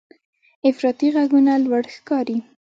افراطي غږونه لوړ ښکاري.